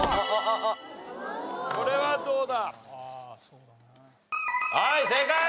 これはどうだ？